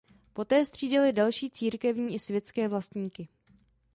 Poté střídaly další církevní i světské vlastníky.